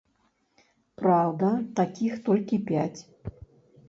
Праўда, такіх толькі пяць.